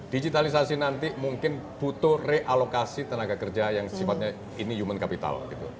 digitalisasi nanti mungkin butuh realokasi tenaga kerja yang sifatnya ini human capital